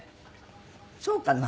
そうかな？